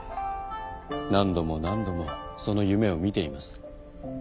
何度も何度もその夢を見ています。